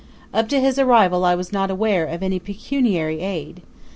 Up to his arrival I was not aware of any pecuniary aid.